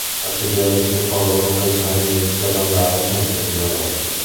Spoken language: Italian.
I passeggeri si accorgono che il treno inizia ad andare sempre più veloce.